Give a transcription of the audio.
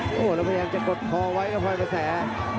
โอ้โหแล้วพแดงจะกดคอไว้กับภวัยภาษา